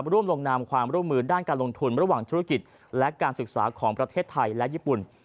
ร่วมลงนามความร่วมมือด้านการลงทุนระหว่างธุรกิจและการศึกษาของประเทศไทยและญี่ปุ่น